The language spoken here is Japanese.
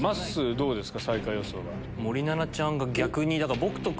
どうですか？